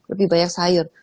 lebih banyak sayur